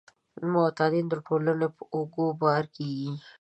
معتادین د ټولنې په اوږو بار کیږي.